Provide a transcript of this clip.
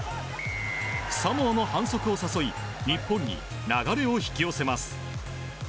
サモアの反則を誘い日本に流れを引き寄せます。